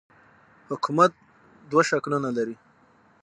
حکومت دوه شکلونه لري.